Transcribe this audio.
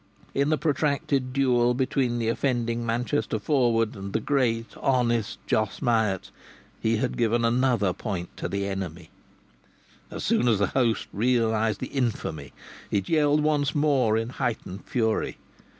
In the protracted duel between the offending Manchester forward and the great, honest Jos Myatt he had given another point to the enemy. As soon as the host realized the infamy it yelled once more in heightened fury.